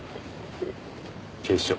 警視庁。